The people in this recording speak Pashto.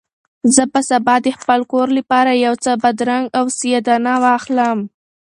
زه به سبا د خپل کور لپاره یو څه بادرنګ او سیاه دانه واخلم.